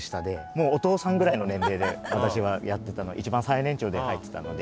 もうお父さんぐらいの年齢で私はやってた一番最年長で入ってたので。